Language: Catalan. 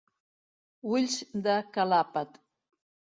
Ulls de calàpet.